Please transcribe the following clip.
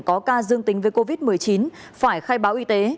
có ca dương tính với covid một mươi chín phải khai báo y tế